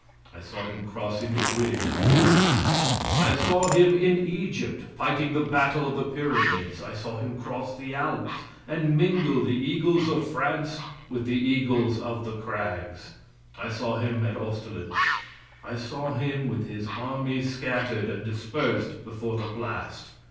I saw him crossing the bridge at Lodi. I saw him in Egypt, fighting the battle of the pyramids. I saw him cross the Alps, and mingle the eagles of France with the eagles of the crags. I saw him at Austerlitz. I saw him with his army scattered and dispersed before the blast.